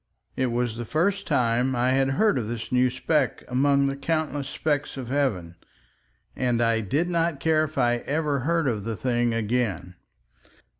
It was the first time I had heard of this new speck among the countless specks of heaven, and I did not care if I never heard of the thing again.